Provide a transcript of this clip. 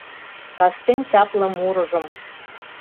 Кастен чапле мурыжым